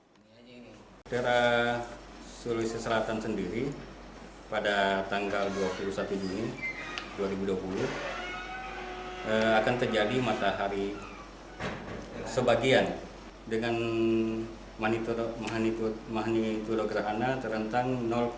terakhir di sulawesi selatan sendiri pada tanggal dua puluh satu juni dua ribu dua puluh akan terjadi matahari sebagian dengan manituro gerhana terhentang satu ratus lima puluh lima